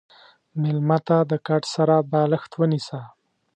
مېلمه ته د کټ سره بالښت ونیسه.